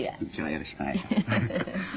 よろしくお願いします。